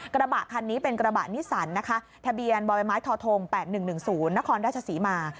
กระบะคันนี้เป็นกระบะนิสันนะคะทะเบียนบ่อยไม้ทท๘๑๑๐นครราชศรีมา